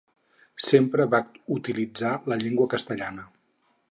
Sempre va utilitzar la llengua castellana.